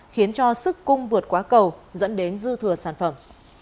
khiến cho sức cung vượt quá cầu dẫn đến dư thừa sản phẩm